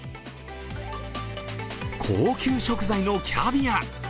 高級食材のキャビア。